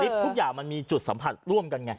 น้ำกดลิฟท์ทุกอย่างมันมีจุดสัมผัสร่วมกันไง